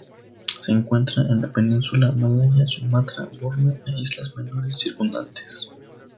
Se encuentra en la península malaya, Sumatra, Borneo e islas menores circundantes.